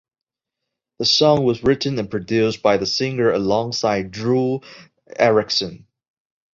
The song was written and produced by the singer alongside Drew Erickson.